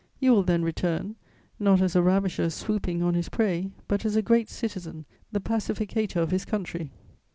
You will then return, not as a ravisher swooping on his prey, but as a great citizen, the pacificator of his country!"